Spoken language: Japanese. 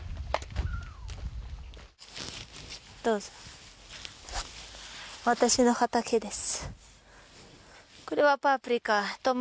どうぞ、私の畑です。